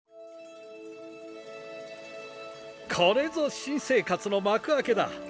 これぞ新生活の幕開けだ。